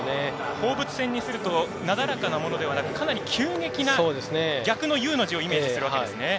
放物線にするとなだらかなものではなくかなり急激な、逆のＵの字をイメージするわけですね。